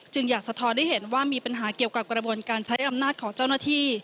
อยากสะท้อนให้เห็นว่ามีปัญหาเกี่ยวกับกระบวนการใช้อำนาจของเจ้าหน้าที่